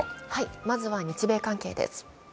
まずは日米関係です。